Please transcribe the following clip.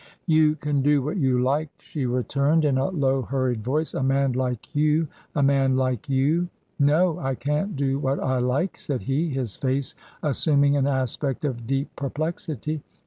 " You can do what you like," she returned, in a low, hurried voice. " A man like you ! A man like you !"" No ; I can't do what I like," said he, his face as suming an aspect of deep perplexity.